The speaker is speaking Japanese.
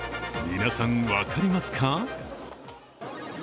皆さん、分かりますか？